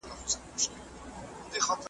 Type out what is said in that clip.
ږغ ته د زمري به د ګیدړو ټولۍ څه وايی.